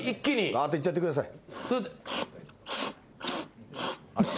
がっといっちゃってください。